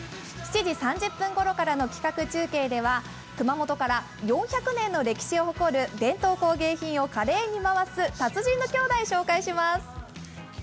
７時３０分ごろからの企画中継では、熊本から４００年の歴史を誇る伝統工芸品を華麗に回す達人の兄弟紹介します。